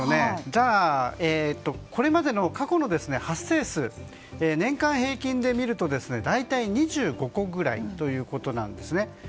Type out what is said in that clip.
じゃあ、これまでの過去の発生数年間平均で見ると大体、５個ぐらいということなんですね。